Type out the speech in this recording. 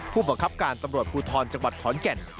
ผู้บังคับการตำรวจภูทรจังหวัดขอนแก่น